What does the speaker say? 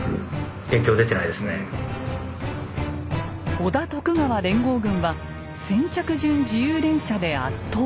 織田・徳川連合軍は先着順自由連射で圧倒。